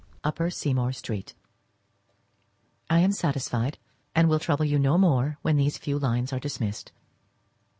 _ Upper Seymour Street. I am satisfied, and will trouble you no more when these few lines are dismissed.